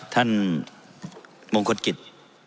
ท่านมงคลกิจ